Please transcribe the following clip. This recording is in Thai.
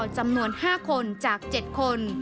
จำนวน๕คนจาก๗คน